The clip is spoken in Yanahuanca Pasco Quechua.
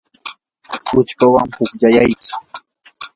uchpawan pukllayaytsu.